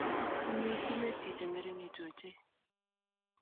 Inywei sumekchik chengeringitu ochei